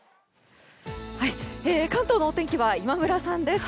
関東のお天気は今村さんです。